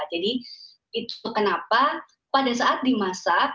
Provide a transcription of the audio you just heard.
jadi itu kenapa pada saat dimasak